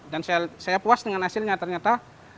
dan saya puas dengan hasilnya ternyata